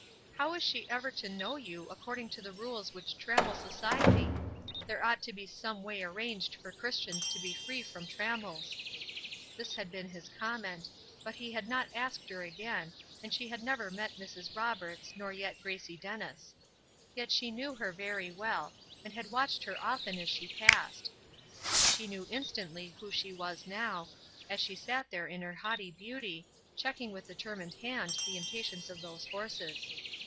"How is she ever to know you, according to the rules which trammel society? There ought to be some way arranged for Christians to be free from trammels." This had been his comment; but he had not asked her again, and she had never met Mrs. Roberts, nor yet Gracie Dennis. Yet she knew her very well, and had watched her often as she passed. She knew instantly who she was now, as she sat there in her haughty beauty, checking with determined hand the impatience of those horses.